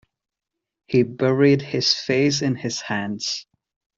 He buried his face in his hands.